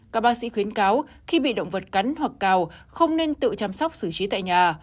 các bác sĩ khuyến cáo khi bị động vật cắn hoặc cào không nên tự chăm sóc xử trí tại nhà